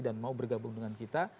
dan mau bergabung dengan kita